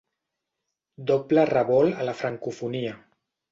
Doble revolt a la francofonia.